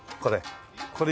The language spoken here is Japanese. これ。